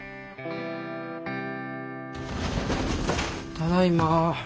ただいま。